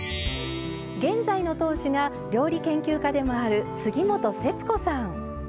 現在の当主が料理研究家でもある杉本節子さん。